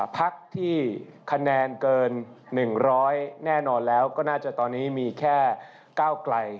พักที่คะแนนเกิน๑๐๐แน่นอนแล้วก็น่าจะตอนนี้มีแค่ก้าวไกล